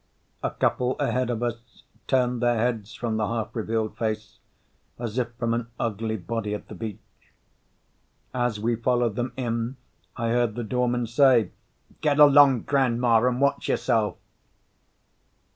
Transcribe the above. A couple ahead of us turned their heads from the half revealed face, as if from an ugly body at the beach. As we followed them in I heard the doorman say, "Get along, grandma, and watch yourself."